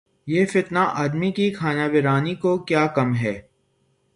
یہ فتنہ‘ آدمی کی خانہ ویرانی کو کیا کم ہے؟